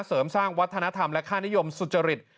เสริมสร้างวัฒนธรรมและค่านิยมสุจริต